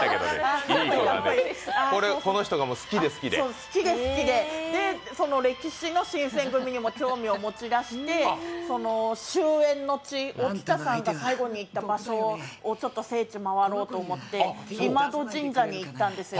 好きで好きで歴史の新選組にも興味を持ち出して終えんの地、沖田さんが最後に行った場所、聖地を回ろうと思って今戸神社に行ったんですよ。